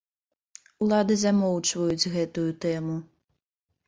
Улады замоўчваюць гэтую тэму.